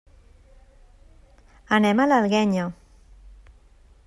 Anem a l'Alguenya.